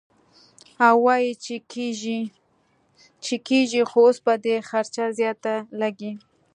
او وائي چې کيږي خو اوس به دې خرچه زياته لګي -